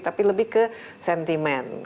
tapi lebih ke sentimen